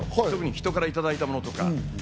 特に人からいただいたものとか。